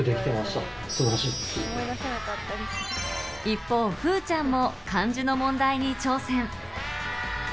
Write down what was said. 一方、風羽ちゃんも漢字の問題に挑戦。